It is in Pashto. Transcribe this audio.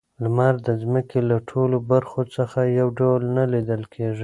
لمر د ځمکې له ټولو برخو څخه یو ډول نه لیدل کیږي.